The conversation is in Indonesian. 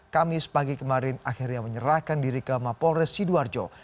kamis pagi kemarin akhirnya menyerahkan diri ke mapol residuarjo